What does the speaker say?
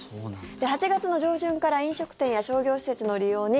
８月の上旬から飲食店や商業施設の利用に